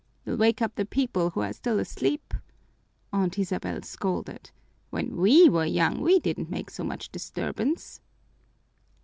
"You'll wake up the people who are still asleep," Aunt Isabel scolded. "When we were young, we didn't make so much disturbance."